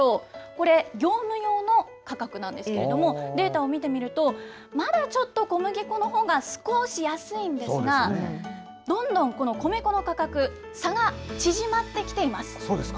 これ、業務用の価格なんですけれども、データを見てみると、まだちょっと小麦粉のほうが少し安いんですが、どんどんこの米粉の価格、差が縮まってきています。